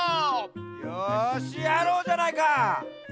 よしやろうじゃないか！